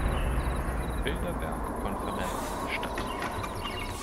Bilderberg-Konferenz statt.